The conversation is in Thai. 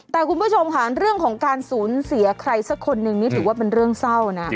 แต่คุณผู้ชมค่ะเรื่องของการสูญเสียใครสักคนนึงนี่ถือว่าเป็นเรื่องเศร้านะ